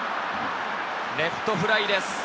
レフトフライです。